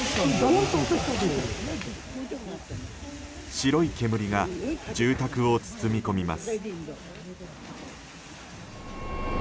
白い煙が住宅を包み込みます。